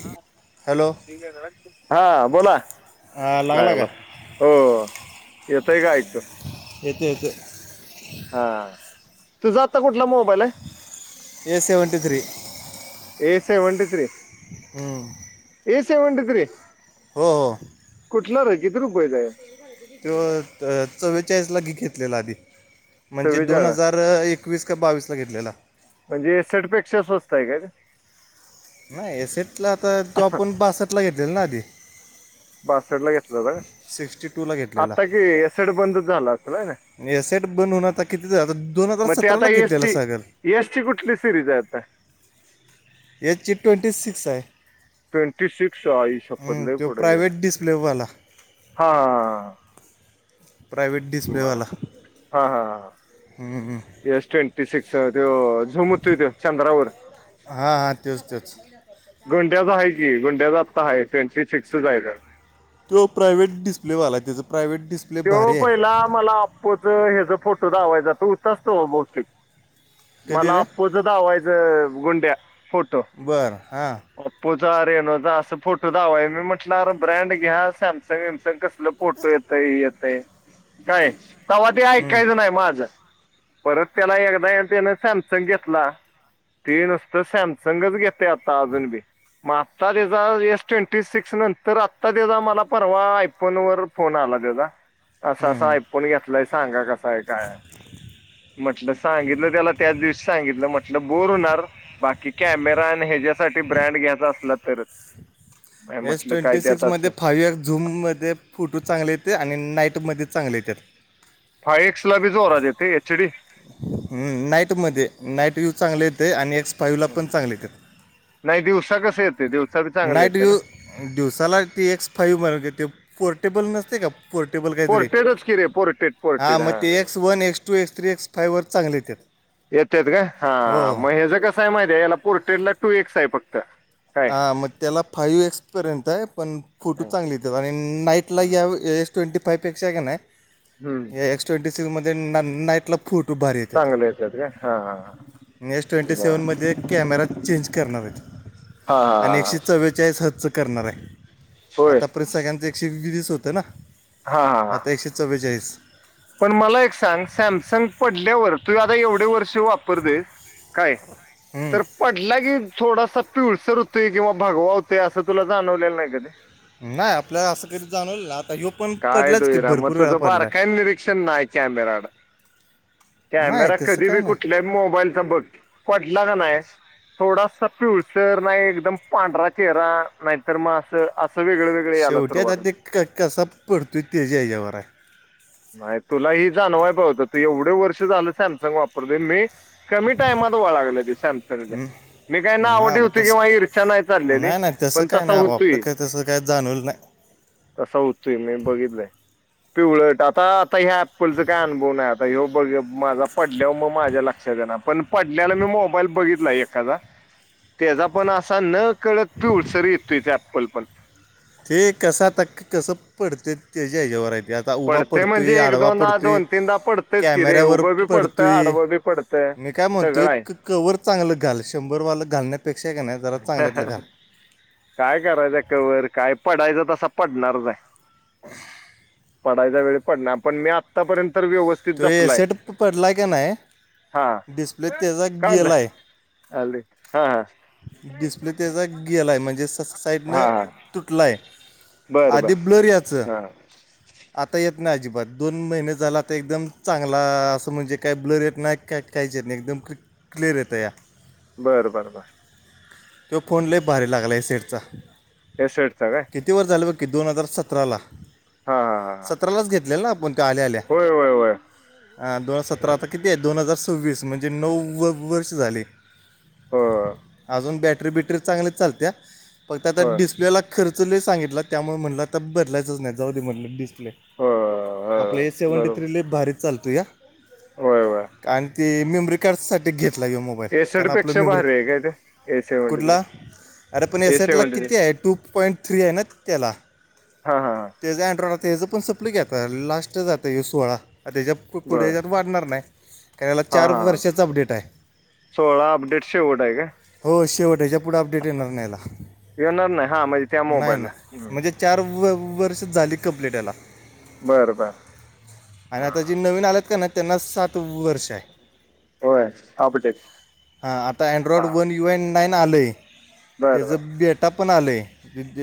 ह हॅलो हा बोला हा, का लागला हो येतयं का ऐकतो येतं येतं हा तुझ आता कुठला मोबाईल ए सेवनटी थ्री अ सेवन्टी थ्री हमं ए सेवन्टी थ्री हो हो कुठला र आहे किती रुपयेचा आहे त चंला [unintelligible] ला लागी घेतलेला आधी म्हणजे दोन सव्वेचाळीस हजार एकवीस का बावीस ला घेतलेला. म्हणजे एसट पेक्षा स्वस्त आहे का. [unintelligible] घेत हो सिक्स्टी टूला घेतलेला आता कि एसड बंदचचं झाला असं ना ए सट बंद हुन आता किती आता दोन हजार सतराला घेतलेलं सागर एसटी कुठली सिरझ आहे आता. याची ट्वेंटी सिक्स आहे. सावीस आई शप्पत हम्म, लई तो पुढे प्रायव्हेट गेला डिस्प्लेवाला हा प्रायव्हेट ब डिस्प्लेवाला हा हास ट्वेंटी सिक्स. त झूम होतय चंद्रावर हां हां तोच तोच गंड्याचा आहै. गुंड्या जातता हाय सेंटरी सिक्स जायला [inaudible] तो प्रायव्हेट डिस्प्ले वाला आहे त्याचा. प्रायव्हेट त पहिला मला आपपोच ह्याचा फोटो दधावायचा तो होत असतो मोस्टली. कधी मला रे आप्पोच धवायचं गुंड्या फोटो बरं हां आपपपो. अरे न असं फोटो दधावा आहे मी म्हटलं अर ब्रँड घ्या सॅमसंग वॅमसंग कस. आपलं फोटो येतय येतय काय सव तेी ऐकायचं नाही माझं. परत त्याला एकदा त्यान सॅमसंग घेतला. ती नुसत समसंगच घेते आता अजून बी. मग आत्ता त्याचा एस ट्वेंटी सिक्स नंतर आता त्याचा मला परवा आयफोन वर फोन आला. अस ून घेतलंय सांगा कस आहे काय म्हट सांगितलं त्याला त्याच दिवशी सांगितलं म्हटलं बोर होणार बाकी कॅमेरा आणि ह्याच्यासाठी ब्रँड घ्यायचा असला तर. नाही एस म्हटलं काय ट्वेंटी ते सिक्स आता असं मध्ये फाव झूम मध्ये फोटो चांगले येते आणि नाईट. मध्ये चांगले त्या. फाय एक्स लाी जोर जेते एच डी. हम्म नाईटमध्ये नाईट यूज चांगले येत आणि पायूला पण चांगले यतात. नाही दिवसा कसं येते दिवसा बी चांगलं नाईट येते ना व्यू दिवसाला ती एक्स फाईव्ह म्हणून ते पोर्टेबल नसते का. पोर्टेबल कायत र पोर्टेडच की रे पोर्टेड हा पोर्टेड म X one X two X three X five वर. चांगले यतात. येतेत का हा मग ह ज कसं आहे माहितीे याला पोर्टेल ला टू एक्स आहे फक्त. काय हां मग त्याला फाईव्ह एक्सपर्यंत आहे. पण फोटो हं, चांगली येतात आणि नाईटला हं. या एस ट्वेंटी फायपेक्षा का नाही. हं. या एक्सट ए सी मध्ये नाट [unintelligible] चांगली असत्यात का हा हा आणि एस ट्वेंटी हा सेव्हनमध्ये कॅमेरा चेंज करणार आहेत. हा आणि हा एकशे चव्वेचाळीस हजच करणार आहे होय आतापर्यंत सगळ्यांच एकशे वीस होत ना हा हा हा आता एकशे चव्वेचाळीस पण मला एक सांग सॅमसंग पडल्यावर तू आता एवढे वर्ष वापरतोयस. काय हम्म. तर पडला की थोडासा तूळसर होतंय किंवा भगवा होतंय असं तुला जाणवलेलं नाही कधी नाही आपल्याला असं कधी जाणवलं नाही हो पण पडलाच की भरपूर वेळा पडलाय. दिसत नाय कॅमेऱ्याला नाही कॅमेरा तसं कधी काय भी ना कुठल्या मोबाईलचा बघ पडला कनाय थोडासा पिवळसर नाही एकदम पांढरा चेहरा नाहीतर मग अस अस. शेवटी आता ते कसा पडतोय त्याच्या ह्याच्यावर हाय. नाही तुला ही जाणवाय पाहिजे होतं एवढं वर्ष झालं सॅमसंग वापरतोय मी कमी टाइमात ओळखलं ते सॅमसंगच. मी काय नावं नाही बा ठेवतोय किंवा तसं इर्षा नाही चाललेली नाही नाही तसं पण काय तसा नाही आपलं होतोय. काय तसं काय जाणवलं नाही तसा होतोय मी बघितलय पिवळ डाग. हा आता ह्या ॲपलचा काय अनुभव नाही आता हे बघ माझा पडल्यावर मग माझ्या लक्षात येनार पण पडला. आपल्याला मी मोबाईल बघितला एखादा त्याचा पण असा न कळत पिवळसर येतोय अँपल पण ते कस आता कस पडतंय त्याच्या हेज्यावर आता उभा पडतंय पडतोय म्हणजे एक आडवा दोनदा पडतोय दोन तीनदा पडतंयच की रे कॅमेऱ्यावर उभं बी पडतं पडतोय. आडवं बी पडतं मी काय म्हणतो सगळं आहे कवर चांगलं घाल शंभर वालं घाल नय. काय करायच कवर काय? पडायचा तसा पडणारच हाय पडायच्या वेळी पडणार पण मी आतापर्यंत तर व्यवस्थित तो जपलाय. एसेट पडलाय का नाही हा डिस्प्ले त्याचा काय गेलाय झालं हा. डिस्प्ले त्याचा गेलाय म्हणजे स साइडनं हा हा तुटलाय. बर बर आधी ब्लर यायचं. हा आता येत नाही अजिबात दोन महिने झाल तर एकदम चांगला असं म्हणजे काय ब्लर येत नाही का काही एकदम क्लियर येतया. बर बर बर. तो फोन लय भारी लागलाय शेटचा एस इडतव. ओके दोन हजार सतराला हा हा हा सतरालाच घेतलेला ना तो आपण आल्या आल्या होय होय होय हा दोन हजार सतरा आता किती आहे दोन हजार सव्वीस म्हणजे नव्व वर्ष झाले. हो अजून बॅटरी बिटरी चांगली चालत्या फक्त आता होय डिस्प्लेला खर्च खर्च लय सांगितला त्यामुळे म्हटलं आता बदलायच नाही जाऊ दे म्हटलं डिस्प्ले हो आपलं हे सेव्हन्टी बरोबर थ्री लय भारीच चालतोया होय होय कार ते मेमरी कार्डसाठी घेतला ये मोबाईल कारण आपलं मेमरी ह आहे. ए सेव्हंटी थ्री कुठला अरे पण ए एसटला सेव्हंटी थ्री किती आहे टू पॉईंट थ्री आहे ना त्याला हां हां हां त्याच अँड्रॉइड त्याचं पण संपलं की आता लास्टच आता हे सोळा. त्याच्या बरं पुढे जाऊन वाढणार नाही कारण याला हां चार हां वर्षाचा अपडेट आहे. सोळा अपडेट शेवट हाय काय. शेवटेच्या पुढं अपडेट येणार नाही आता येणार नाही हां म्हणजे त्या नाय नाय मोबाईलला म्हणजे चार वर्ष वर्ष झाली कंप्लीट ह्याला बर बर. आणि आता जे नवीन आलेत कणी त्यांना सात वर्ष हाय. होय अपडेट. हां आता अँड्रॉइड हां वन यू एन नाईन आलय बरं त्याचं बॅटा पण आलंय.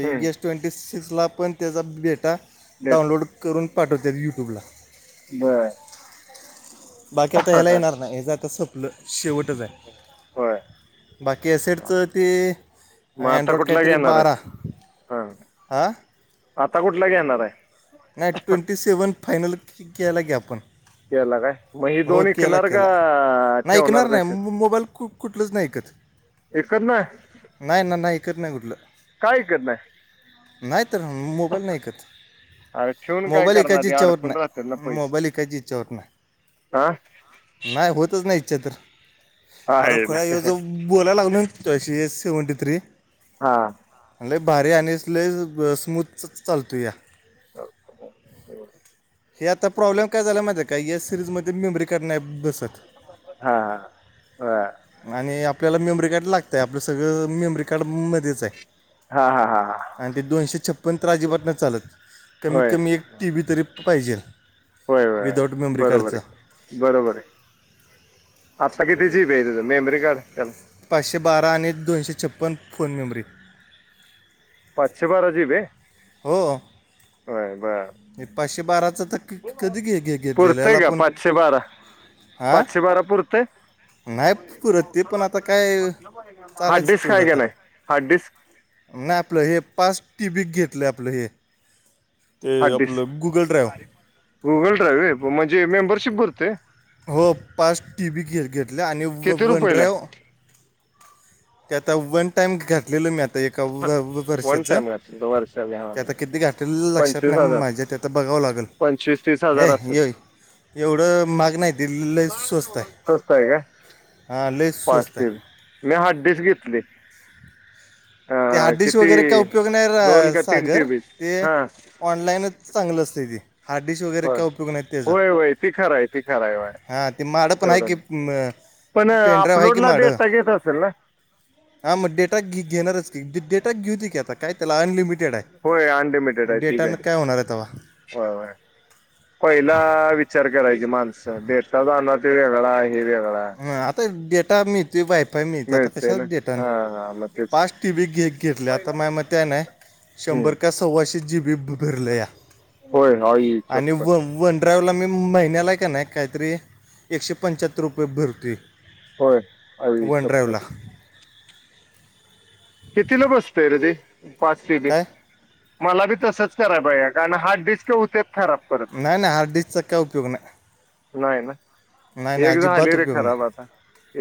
बरं गेस ट्वेंटी सिक्सला पण त्याचा बेटा डाउनलोड करून. पाठवत्याय युट्यूबला. बर. बाकी आता ह्याला येणार नाही हेच आता सपलं शेवटच आहे. होय बाकी हा. अससेटचं ते अँड्रॉइड काहीतरी बारा. हा हां आता कुठला घेणार आहे? नाही ट्वेंटी सेव्हन फायनल केला की आपण. केला काय मग ही हो दोन केला विकणार केला का नाही ठेवणार ऐकणार नाही तसेच मोबाईल कुठलच नाही. विकत नाही नाही नाही ऐकत नाही कुठलं. काय विकत नाही नाही तर मोबाईल नाही ऐकत. अरे ठेवून काय मोबाईल करणार ईकायची ते इच्छा होत अडकून राहतात ना नाही, मोबाईल पैसे ईकायची इच्छा होत नाही. हा. अच्छा तर अरे खुळ्या आहे बोलायला लागलो तशी सेव्हनटी थ्री. हा. लय भारी आणि लय स्मूथ चालतूया. ह हो. हे आता प्रॉब्लेम काय झाला माहिताय काय या सिररीज मध्ये मेमरी कार्ड नाही. सत हां हां आणि. आपल्याला मेमरी कार्ड लागतंय आपलं सगळं मेमरी कार्डमध्येच आहे. हां हां हां हां आणि ते दोनशे छप्पन तर अजिबात नाही चालत. कमीत होय कमी एक टीवी तरी. पाहिजे होय होय विदाऊट मेमरी बरोबर कार्डचं आहे बरोबर आहे. आत्ता किती जीबी आहे तं मेमरी कार्ड चला. पाचशे बारा आणि दोनशे छप्पन्न फोन मेमरी. पाचशे बारा जिबी आहे हो बरं बरं. हे पाचशे बाराचं तर क- कधी घे घे घेतलेलं पुरतय याला का पण पाचशे बारा, हां पाचशे बारा पुुरतय. नाही पुरत ते पण आता काय हार्ड चालायचं डिस्क आहे तेवढं काय आता नाय हार्ड डिस्क. नाही आपलं हे पाच टीबीक घेतलं आपलं हे ते. हार्ड आपलं गुगल ड्राईव्ह गुगल ड्रायव्ह आहे म्हणजे मेंबरशिप करतोय. हो पाच टीबी घ घेतल्या आणि व किती वन रुपयाला आहे ड्रायव्ह. त्याता वन टाइम घट लं मी आता एकाव्याव वन वर्षाच टाइम घातली वर्षाला हां ते आता किती गाठलेल लक्षात पंचवीस नाही हजार माझ्या. ते तर बघावं लागेल पंचवीस तीस हे हजार असेल येई एवढं माग नाही दिलेलं स्वस्त आहे. हां लय स्वस्त पाचशे आहे मी हार्ड डिस्क घेतलय. ते हा डिश वगैरे का उपयोग नाही दोन का तीन टी सागर बी ते. हां ऑनलाईनच चांगलं असते ते. हा डिश वगैरे बर काय उपयोग नाहीत त्याचा. होय होय ती खरं आहे ती खरं आहे होय हा ते माझ्याकड पण आहे एवढं की. नाही. पण अपलोड ला डेटा घेत असेल ना? हा मग डेटा घ घेणारच की डेटा घेऊदे की आता काय. त्याला अनलिमिटेड होय अनलिमिटेड आहे ती ब. डेटानं काय होणार आहे तेव्हा हो पहिला विचार करायचे माण अच्छा डेट जाणार ते वेगळा हे वेगळा. हं, आता मिळतोय वायफाय मिळतोय आता मिळते कशा ना डेटा. हां हां मग तेच पाच टीबी घ घेतल्या आता माय म नाही हम्म. शंभर का सव्वाशे जी बी. होय आई आणि. चप्पल ड्रायव्हरला मी महिन्याला आहे का नाही काहीतरी एकशे पंच्याहत्तर रुपये भरतुय. होय आ ह सब कर कितीला बसतोय रे ते काय मला बी तसंच कराय पाहिया कारण हार्ड डिस्क होते खराब परत नाही नाही हार्डडिस्क चचाका उपयोग ना नाही ना एक ज आली रे खराब नाही आता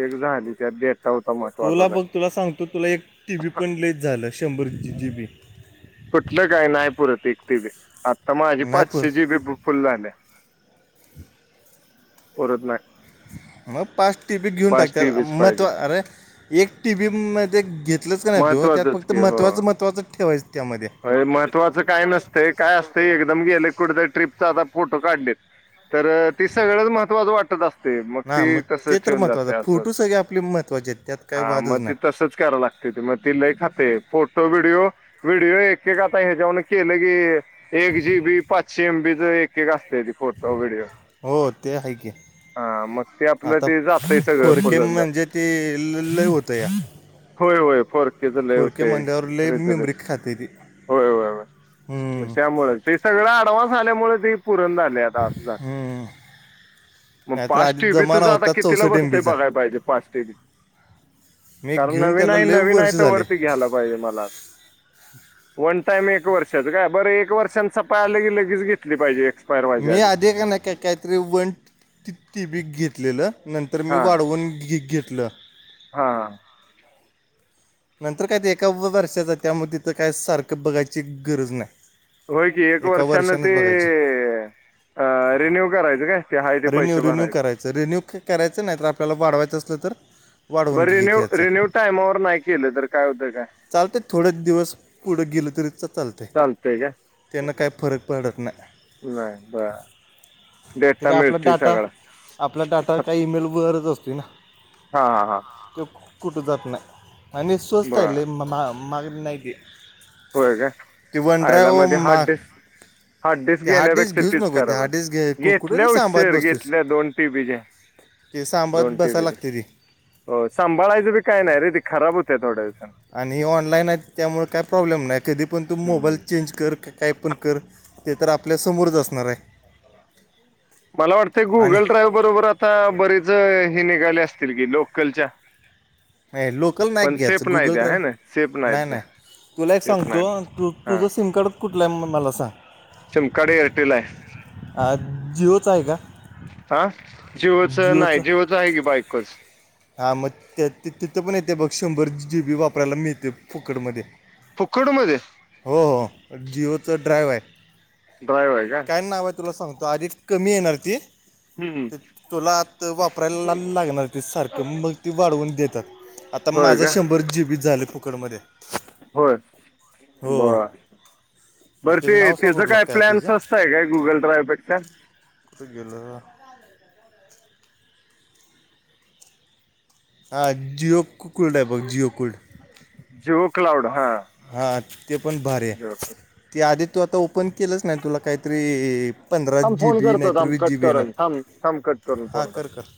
एकदाच्या डेट होत तुला महत्वाचा बघ तुला सांगतो तुला एक टी वी पण ललेच झालं शंभर जी बी कुठलं काय नाही पुरत एक ती बी आता माझी नाही पाचशे पूर जी बी फुल झाले पररत ना मग पाच टी बी घेऊन टाकत महत्त् अरे एक टी बी म घेतलंच का नाही तू हो त्यात महत्त्वाचंच फक्त महत्वाचं महत्वाचं ठेवायचं त्यामध्ये अ महत्त्वाचं काय नसतंय काय असतं एकदम गेले कुठेतरी ट्र्रीपचा आता फोटो काढलेत तर तेी सगळंच महत्त्वाचं वाटत असत ते मग ना ते तसच तर ठेवून जात महत्त्वाचं असं फोटो सगळे आपले महत्त्वाचे आहेत त्यात काय हा मग वादच ती नाही तसच कराव लागते त मग ती लय खाते फोटो व्हिडिओ एक एक का आता हच्याऊ केले की एक जी बी पाचश एम बी तर एक एक का हो ते आहे की हा मग ते आपलं आता ते जातंय सगळं फोरके फुलंदात म्हणजे तेी ल लय होत या होय होय फर के झालं फोर के होते म्हणल्यावर लय खर मेमरी झालेच खाते ती होय होयय हम्म. त्यामुळे ते सगळ अडवानस आल्यामुळे ते पुरण झाले आता असं झालं मग नाहीतर फस्ट आधी टीव् तुझ जमाना आता होता कितीला चौसष्ट एम बसतय बीचा बघाय पाहिजे फस्ट टीव मी कारण घेऊन नवीन त्याला आहे लय नवीन आहे वर्ष तर झाले वरती घ्यायला पाहिजे मला वन टाइम एक वर्षात का बरं एक वर्षान सपा आलं की लगेच घेतली पाहिजेक् मी आधी का नाही का काहीतरी वन तिी बी घेतलेलं नंतर मी वाढवून घी घेतलं हा नंतर काय ते एका्या वर्षाचा त्यामुळे तिथं काय सारखं बघायची गरज नाही होय की एक वर्षान ते रिन्यू करायचं काय ते आहे ते रन्यू पैसे रिन्यू भरायचे करायच रिन्यू करायचं नाही तर आपल्याला वाढवायचं लं तर वाढवून बरं घ रिन्यू घ्याचं रिन्यू टायमावर नाही केलं तर काय होतं काय चालते थोडच दिवस पुढे गेल तरी चाल चालतंय काय त्यांना काही फरक पडत नाही नाही बरं ते डेटा काय आपला मिळते डाटा सगळा आपला डाटा काही ईमेलवरच असत ना हा हा हा कुठे जात नाही आणि स्वस्ता आहेले मा माग नाही ते होय का ते वन आयला ड्राईव्ह मध्ये हार्ड मा ते डिस्क हार्ड डस्क डिस्क घेण्यापेक्षा घेऊच तीच नको ते कराब हार्ड डिस्क घे कु- कुठं घेतल्या ते सांभाळत हशशीर बसतोस घेतल्या दोन टी बीज्या ते सांभाळत दोनट बसायला ब लागते ती हो सांभाळायचं बी काय नाही रे त खराब थोड्या दिवसानं आणि ऑनलाईन आहे त्यामुळे काय प्र कधी पण तू हम्म, मोबाईल हम्म. चेंज कर काय पण कर ते तर आपल्यासमोरच असणार आहे मला वाटतते आणि गुगल ड्रायव्ह बरोबर आता बरेच हे निघाले असते अस की लोकलच्या नाही लोकल नाही पण घ्यायचं सेप नाही गुगल द्या. हाय ना? सेप ड्राईव्ह नाही द्या. तुला एक सांगतो. तू तुझं सिम कार्ड कुठलंय? मला सांग. सिम कार्ड एअरटेल आहे. आ. जिओच आहे का? हा? जिओचं नाही. जिओच आहे की बायकोच. हा मग तिथं पण येतय बघ, शंभरची जी बी वापरायला मिळते फोकट मध्ये. फुकट मध्ये हो हो जिओच ड्राइव्ह आहे. बर [unintelligible] का? काय नाव आहे तुला सांगतो आधीच कमी येणार ती- हम्म. ते तुला आत वापरायला लागणार ते सारख मग ती वाढवून देतात. आता होय माझं का शंभर जीबी झालं फुकटमध्ये. होय बर. मग बर ते, नाव सांगू त्याच तुला काय प्लॅन्स त्याचं असताय काय? गुगल ड्रायव पेक्षा. [unintelligible] हा जिओ कुकुड बघ. जिओ कुड. जिओ क्लाउड हा. हा ते पण भारीये. जिओ क्लाउड. ते आधी- तू आता ओपन केलंच नाही. तुला काहीतरी- पंधरा जी फोन बी करतो नाहीतर थांब, वीस जी कट बी येणार करून थ थांब. कट करून हां फोन कर करतो. कर